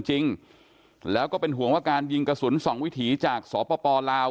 จริงแล้วก็เป็นห่วงว่าการยิงกระสุนสองวิถีจากสปลาว